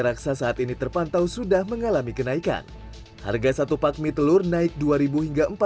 raksasaat ini terpantau sudah mengalami kenaikan harga satu pak mie telur naik dua ribu hingga empat ribu